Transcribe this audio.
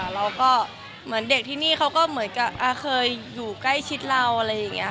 เราก็เหมือนเด็กที่นี่เขาก็เหมือนกับเคยอยู่ใกล้ชิดเราอะไรอย่างนี้ค่ะ